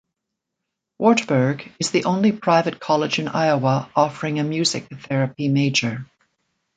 Wartburg is the only private college in Iowa offering a music therapy major.